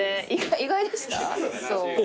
意外でした？